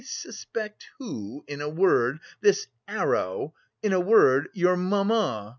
suspect who... in a word... this arrow... in a word, your mamma...